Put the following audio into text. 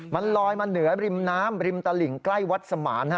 มันลอยมาเหนือริมน้ำริมตลิ่งใกล้วัดสมาน